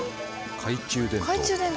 懐中電灯。